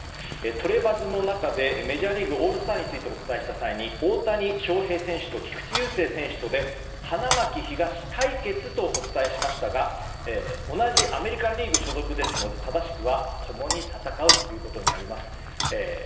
トレバズの中でメジャーリーグオールスターについてお伝えした際に大谷翔平選手と菊池雄星選手とで花巻東対決とお伝えしましたが同じアメリカンリーグ所属ですので正しくは共に戦うということになります。